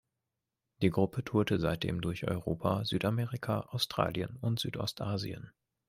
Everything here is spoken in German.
Die Gruppe tourte seitdem durch Europa, Südamerika, Australien und Südostasien.